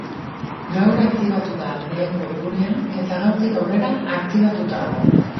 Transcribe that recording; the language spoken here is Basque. Gaur aktibatu da lehen webgunea eta gaurtik aurrera aktibatuta dago.